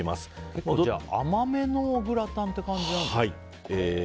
結構甘めのグラタンってことなんですか。